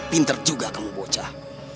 pinter juga kamu bocah